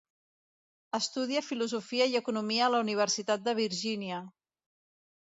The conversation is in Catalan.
Estudià filosofia i economia a la Universitat de Virgínia.